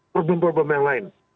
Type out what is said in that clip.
problem problem yang lain